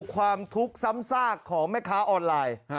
ความทุกข์ซ้ำซากของแม่ค้าออนไลน์